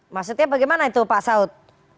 maksudnya bagaimana itu pak saud